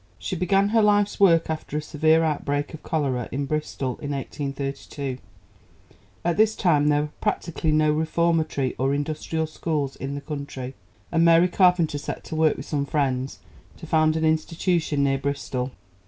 She began her life's work after a severe outbreak of cholera in Bristol in 1832. At this time there were practically no reformatory or industrial schools in the country, and Mary Carpenter set to work with some friends to found an institution near Bristol.